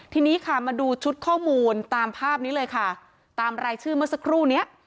ทีนี้ค่ะมาดูชุดข้อมูลตามภาพนี้เลยค่ะตามรายชื่อเมื่อสักครู่เนี้ย